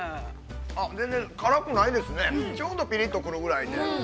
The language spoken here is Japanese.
◆全然辛くないですね、ちょうどピリッと来るぐらいで。